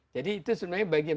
jadi itu sebenarnya bagian